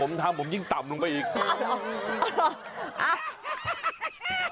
คุณก็ลงดูสิลองทำความดีลองทำความดีดูนะคะ